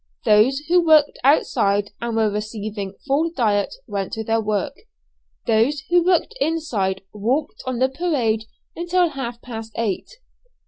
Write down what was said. Those who worked outside and were receiving full diet went to their work. Those who worked inside walked on the parade until half past eight.